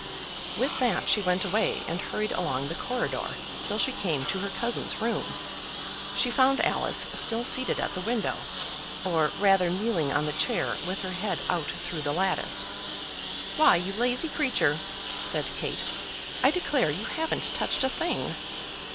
With that she went away and hurried along the corridor, till she came to her cousin's room. She found Alice still seated at the window, or rather kneeling on the chair, with her head out through the lattice. "Why, you lazy creature," said Kate; "I declare you haven't touched a thing."